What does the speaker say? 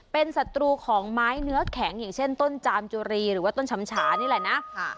เป็นศัตรูของไม้เนื้อแข็งอย่างเช่นต้นจามจุรีหรือว่าต้นชำฉานี่แหละนะ